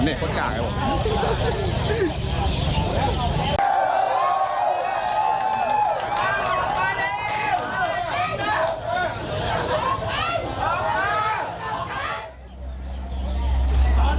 ทางแฟนสาวก็พาคุณแม่ลงจากสอพอ